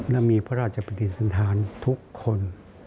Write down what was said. และมีพระราชประติศันทานทุกคน